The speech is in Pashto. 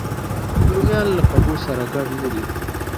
رومیان له خوږو سره ګډ نه دي